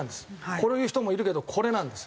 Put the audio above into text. こういう人もいるけどこれなんです。